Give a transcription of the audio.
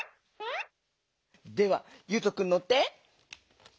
ではゆうとくんのって。